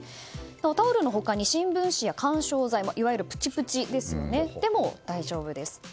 タオルの他に、新聞紙や緩衝材いわゆるプチプチでも大丈夫です。